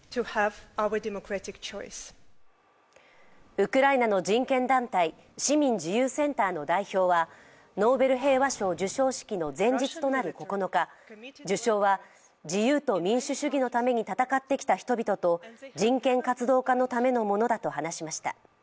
ウクライナの人権団体、市民自由センターの代表はノーベル平和賞授賞式の前日となる９日、受賞は自由と民主主義のために戦ってきた人々と人権活動家のためのものだと話しました。